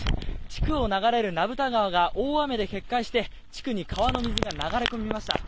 地区を流れる名蓋川が大雨で決壊して地区に川の水が流れ込みました。